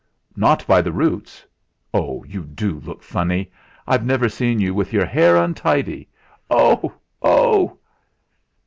"Not by the roots! Oh! you do look funny. I've never seen you with your hair untidy. Oh! oh!"